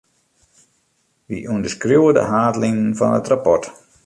Wy ûnderskriuwe de haadlinen fan it rapport.